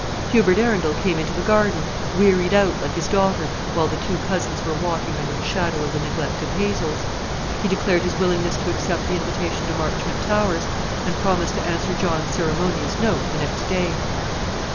Hubert Arundel came into the garden, wearied out, like his daughter, while the two cousins were walking under the shadow of the neglected hazels. He declared his willingness to accept the invitation to Marchmont Towers, and promised to answer John's ceremonious note the next day.